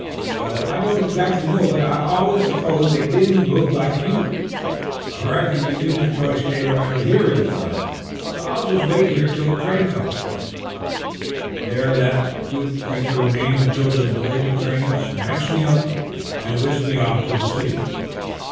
"Well, I don't exactly know, but I always supposed they didn't look like you. Reckon you don't enjoy staying around here in the dark, so I'll just wait here till the train comes," and there that good creature remained until the belated train snatched me up and whisked off to the city.